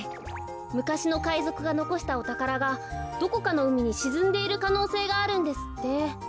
むかしのかいぞくがのこしたおたからがどこかのうみにしずんでいるかのうせいがあるんですって。